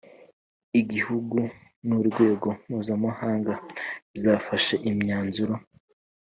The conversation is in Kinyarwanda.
iGihugu nu rwego mpuzamahanga byafashe imyanzuro.